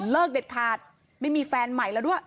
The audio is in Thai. เด็ดขาดไม่มีแฟนใหม่แล้วด้วย